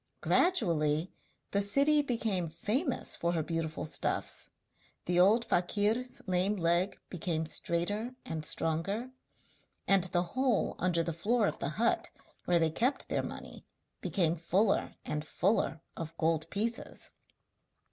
Gradually the city became famous for her beautiful stuffs, the old fakir's lame leg became straighter and stronger, and the hole under the floor of the hut where they kept their money became fuller and fuller of gold pieces.